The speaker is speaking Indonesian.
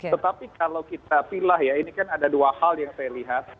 tetapi kalau kita pilih ya ini kan ada dua hal yang saya lihat